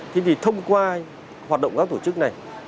thì thông qua hoạt động các tổ chức này